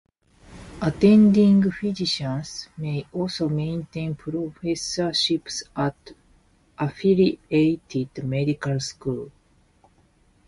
Attending physicians may also maintain professorships at an affiliated medical school.